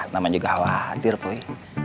lama juga khawatir poi